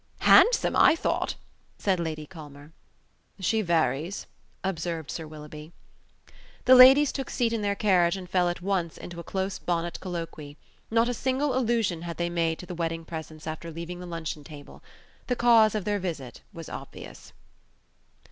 "Handsome, I thought," said Lady Culmer. "She varies," observed Sir Willoughby. The ladies took seat in their carriage and fell at once into a close bonnet colloquy. Not a single allusion had they made to the wedding presents after leaving the luncheon table. The cause of their visit was obvious.